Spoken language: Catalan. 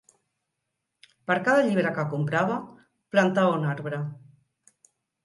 Per cada llibre que comprava, plantava un arbre.